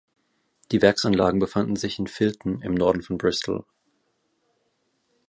Die Werksanlagen befanden sich in Filton im Norden von Bristol.